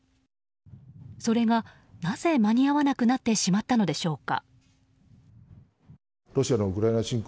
それがなぜ間に合わなくなってしまったのでしょうか。